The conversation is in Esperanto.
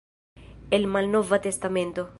El Malnova Testamento.